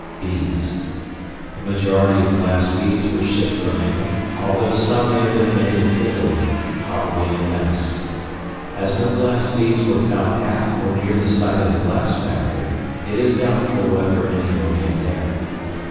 Beads. The majority of glass beads were shipped from England, although some may have been made in Italy, probably in Venice. As no glass beads were found at or near the site of the glass factory, it is doubtful whether any were made there.